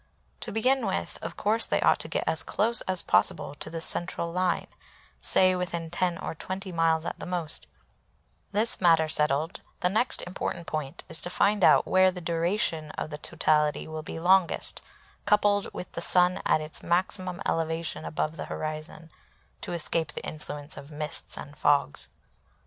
To begin with, of course they ought to get as close as possible to the central line, say within 10 or 20 miles at the most; this matter settled, the next important point is to find out where the duration of the totality will be longest, coupled with the Sun at its maximum elevation above the horizon (to escape the influence of mists and fogs).